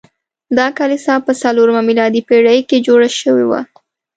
دا کلیسا په څلورمه میلادي پیړۍ کې جوړه شوې وه.